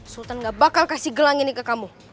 sultan gak bakal kasih gelang ini ke kamu